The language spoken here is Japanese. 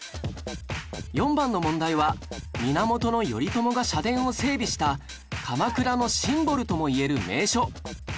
４番の問題は源頼朝が社殿を整備した鎌倉のシンボルともいえる名所